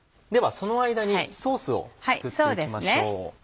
その間にソースを作っていきましょう。